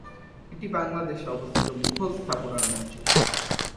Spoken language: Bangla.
এটি বাংলাদেশে অবস্থিত মুঘল স্থাপনার মসজিদ।